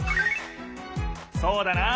そうだな！